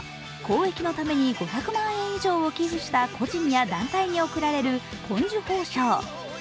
公益のために５００万円以上を寄付した個人や団体に贈られる紺綬褒章。